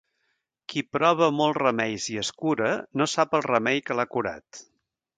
Qui prova molts remeis i es cura no sap el remei que l'ha curat.